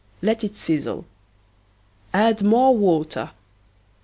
Let it sizzle. Add more water.